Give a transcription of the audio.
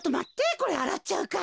これあらっちゃうから。